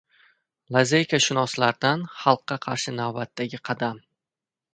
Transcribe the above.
Lazeykashunoslardan xalqqa qarshi navbatdagi qadam